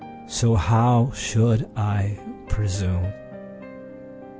So how should I presume?